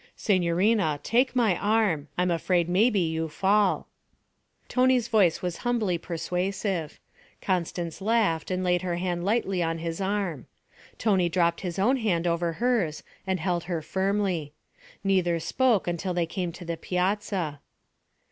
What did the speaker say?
'Signorina, take my arm. I'm afraid maybe you fall.' Tony's voice was humbly persuasive. Constance laughed and laid her hand lightly on his arm. Tony dropped his own hand over hers and held her firmly. Neither spoke until they came to the piazza.